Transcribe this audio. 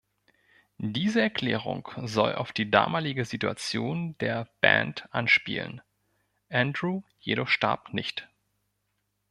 Diese Erklärung soll auf die damalige Situation der Band anspielen, Andrew jedoch starb nicht.